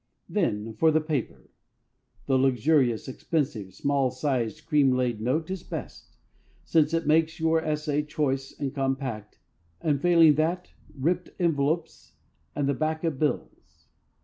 Then for the paper. The luxurious, expensive, small sized cream laid note is best, since it makes your essay choice and compact; and, failing that, ripped envelopes and the backs of bills.